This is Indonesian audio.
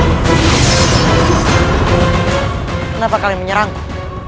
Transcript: kenapa kalian menyerangku